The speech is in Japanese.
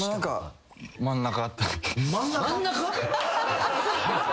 真ん中！？